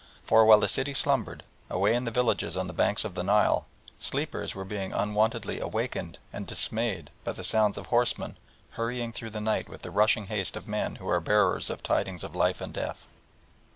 For, while the city slumbered, away in the villages on the banks of the Nile, sleepers were being unwontedly awakened and dismayed by the sounds of horsemen hurrying through the night with the rushing haste of men who are bearers of tidings of life and death.